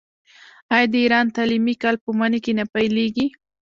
آیا د ایران تعلیمي کال په مني کې نه پیلیږي؟